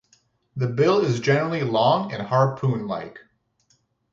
The bill is generally long and harpoon-like.